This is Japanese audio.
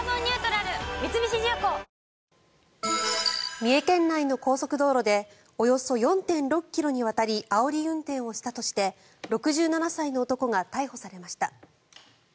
三重県内の高速道路でおよそ４．６ｋｍにわたりあおり運転をしたとして６７歳の男が逮捕されました。